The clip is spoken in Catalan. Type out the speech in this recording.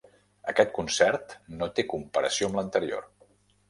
Aquest concert no té comparació amb l'anterior.